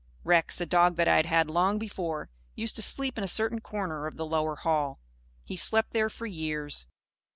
Rex, a dog that I had had long before, used to sleep in a certain corner of the lower hall. He slept there for years.